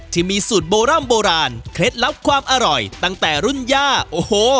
ที่มีสูตรโบร่ำโบราณเคล็ดลับความอร่อยตั้งแต่รุ่นย่าโอ้โห